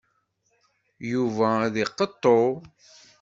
Yuba ad iqeṭṭu.